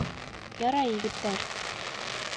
Ярай, егеттәр!